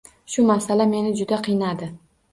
Shu masala meni juda qiynadi